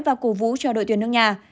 và cố vũ cho đội tuyển nước nhà